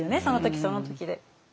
その時その時で。